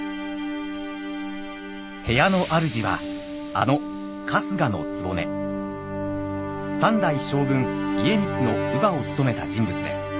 部屋の主はあの３代将軍家光の乳母を務めた人物です。